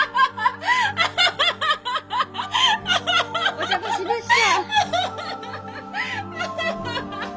お邪魔しました。